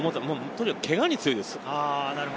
とにかくけがに強いです。